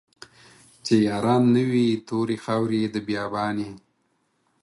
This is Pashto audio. چې ياران نه وي توري خاوري د بيا بان يې